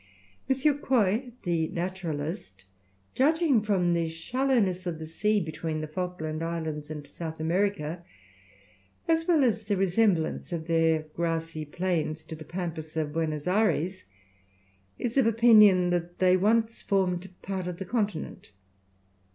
M. Quoy, the naturalist, judging from the shallowness of the sea between the Falkland Islands and South America, as well as the resemblance of their grassy plains to the pampas of Buenos Ayres, is of opinion that they once formed part of the continent.